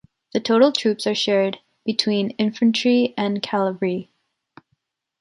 The total troops are shared between infantry and cavalry.